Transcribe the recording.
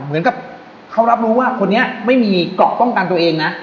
เหมือนเขารับรู้ว่าคนนี้ไม่มีก็เกาะต้องการตัวเอง